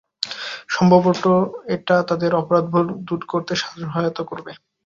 সম্ভবত এটা তাদের অপরাধবোধ দূর করতে সহায়তা করবে।